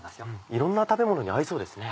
いろんな食べ物に合いそうですね。